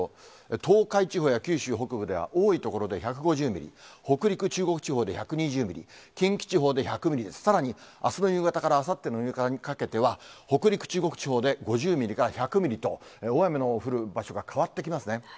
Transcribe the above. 東海地方や九州北部では多い所で１５０ミリ、北陸、中国地方で１２０ミリ、近畿地方で１００ミリで、さらに、あすの夕方からあさっての夕方にかけては北陸、中国地方で５０ミリから１００ミリと、大雨の降る場所が変わってきますね。